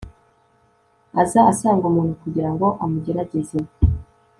aza asanga umuntu kugira ngo amugerageze